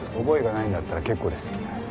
覚えがないんだったら結構です。